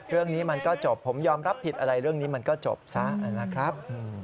เรื่องนี้มันก็จบผมยอมรับผิดอะไรเรื่องนี้มันก็จบซะนะครับ